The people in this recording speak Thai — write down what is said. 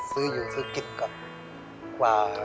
ซื้ออยู่ซื้อกินก่อน